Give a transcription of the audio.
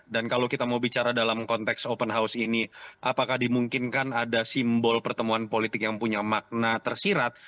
dan kalau kita mau bicara dalam konteks open house ini apakah dimungkinkan ada simbol pertemuan politik yang punya makna tersirat